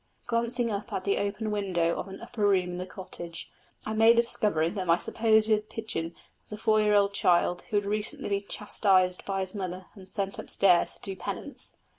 Glancing up at the open window of an upper room in the cottage, I made the discovery that my supposed pigeon was a four year old child who had recently been chastised by his mother and sent upstairs to do penance.